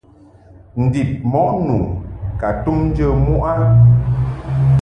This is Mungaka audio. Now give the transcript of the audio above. Ndib mɔʼ nu ka tum njə muʼ a.